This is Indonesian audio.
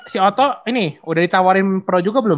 si oto ini udah ditawarin pro juga belum